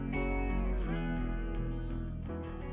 kecepatan guru itu